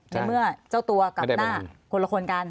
ในเมื่อเจ้าตัวกับหน้าคนละคนกัน